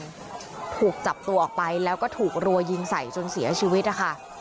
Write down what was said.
ถูกจับตัวออกไปแล้วก็ถูกรัวยิงใส่จนเสียชีวิตนะคะ